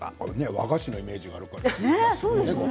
和菓子のイメージがあるから。